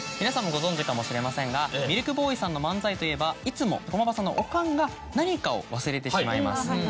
皆さんもご存じかもしれませんがミルクボーイさんの漫才といえばいつも駒場さんのおかんが何かを忘れてしまいます。